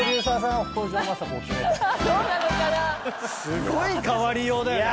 すごい変わりようだよ